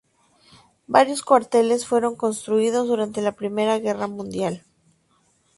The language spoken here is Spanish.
Varios cuarteles fueron construidos durante la Primera Guerra Mundial.